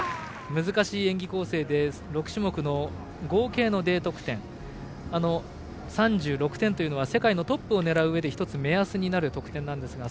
難しい演技構成で６種目の合計のＤ得点３６点は世界のトップを狙ううえで１つ目安になる得点ですが